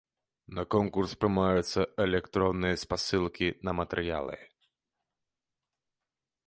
На конкурс прымаюцца электронныя спасылкі на матэрыялы.